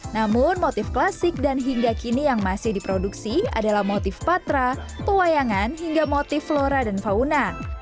namun motif klasik dan hingga kini yang masih diproduksi adalah motif patra pewayangan hingga motif flora dan fauna